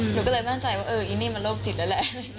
หนูก็เลยมั่นใจว่าเอออีนี่มันโรคจิตนั่นแหละ